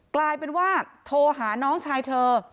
กลายเป็นว่าโทรหาน้องชายเธอ